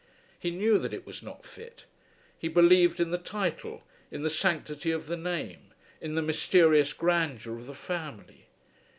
He knew that it was not fit. He believed in the title, in the sanctity of the name, in the mysterious grandeur of the family.